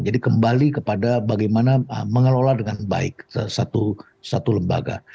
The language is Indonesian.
jadi kembali kepada bagaimana mengelola dengan baik satu lembaga